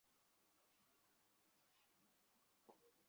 ততক্ষণ পর্যন্ত আমি তোমাদেরকে আমাদের বেকারিটা দেখাতে থাকি।